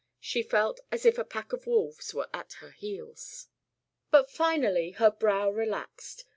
She felt as if a pack of wolves were at her heels. But finally her brow relaxed.